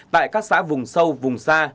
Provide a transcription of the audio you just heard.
tại các xã vùng sâu vùng xa